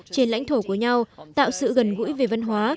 trên lãnh thổ của nhau tạo sự gần gũi về văn hóa